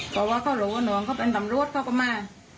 เพราะว่าเขารู้ว่าน้องเขาเป็นตำรวจเขาก็มา